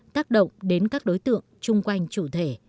tác động đến các đối tượng chung quanh chủ thể